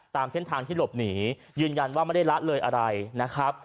ตามเส้นทางที่หลบหนียืนยันว่าไม่ได้ละเลยอะไรนะครับ